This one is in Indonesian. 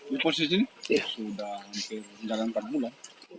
di pos di sini sudah hampir jalan perbulan